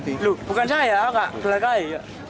tauuran yang diperlukan oleh tawuran